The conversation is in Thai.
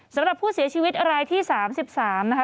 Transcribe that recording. สำหรับผู้เสียชีวิตรายที่๓๓นะคะ